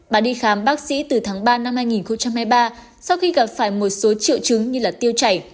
bà đi khám bác sĩ từ tháng ba năm hai nghìn hai mươi ba sau khi gặp phải một số triệu chứng như tiêu chảy